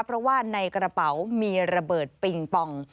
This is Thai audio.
เพราะว่าในกระเป๋ามีระเบิดปิงปอง